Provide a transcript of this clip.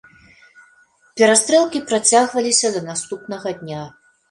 Перастрэлкі працягваліся да наступнага дня.